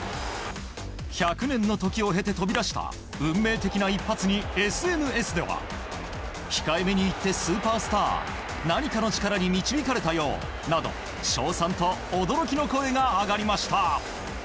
１００年の時を経て飛び出した運命的な一発にＳＮＳでは控えめに言ってスーパースター何かの力に導かれたようなど賞賛と驚きの声が上がりました。